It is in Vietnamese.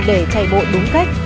để chạy bộ đúng cách